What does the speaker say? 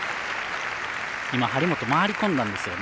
今、張本回り込んだんですよね。